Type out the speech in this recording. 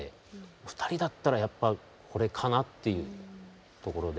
２人だったらやっぱこれかなっていうところで。